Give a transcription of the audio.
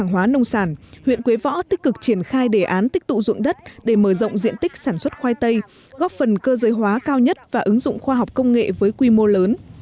huyện quế võ tích cực triển khai đề án tích tụ dụng đất để mở rộng diện tích sản xuất khoai tây góp phần cơ giới hóa cao nhất và ứng dụng khoa học công nghệ với quy mô lớn